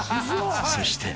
［そして］